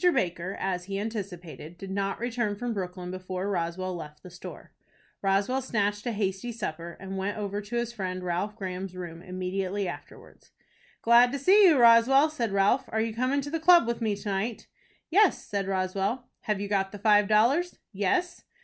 Baker, as he anticipated, did not return from Brooklyn before Roswell left the store. Roswell snatched a hasty supper, and went over to his friend, Ralph Graham's room, immediately afterwards. "Glad to see you, Roswell," said Ralph; "are you coming to the club with me to night?" "Yes," said Roswell. "Have you got the five dollars?" "Yes."